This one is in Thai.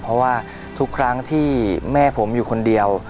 เพราะว่าทุกครั้งที่แม่ผมอยู่คนเดียว